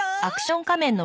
アクション仮面